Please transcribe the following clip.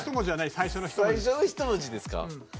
最初の１文字ですか？